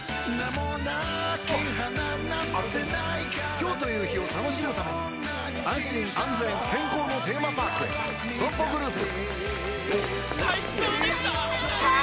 今日という日を楽しむために安心安全健康のテーマパークへＳＯＭＰＯグループ